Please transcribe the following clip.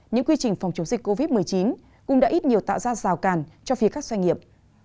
những quy trình phòng chống dịch covid một mươi chín cũng đã ít nhiều tạo ra rào cản cho phía các doanh nghiệp